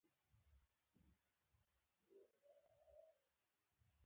پیاز د وزن کمښت سره مرسته کوي